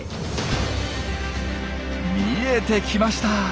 見えてきました。